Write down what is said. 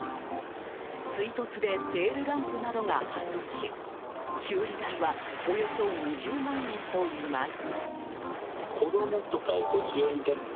追突でテールランプなどが破損し修理代はおよそ２０万円といいます。